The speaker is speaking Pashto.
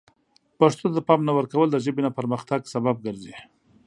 پښتو ته د پام نه ورکول د ژبې نه پرمختګ سبب ګرځي.